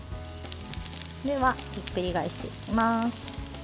ひっくり返していきます。